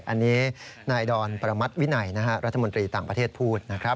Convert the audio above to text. อันนี้นายดอนประมัติวินัยนะฮะรัฐมนตรีต่างประเทศพูดนะครับ